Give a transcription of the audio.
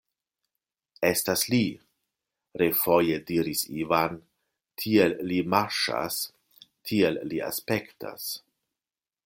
Estas li!refoje diris Ivan, tiel li marŝas, tiel li aspektas.